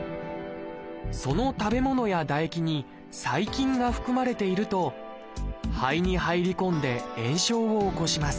その食べ物や唾液に細菌が含まれていると肺に入り込んで炎症を起こします。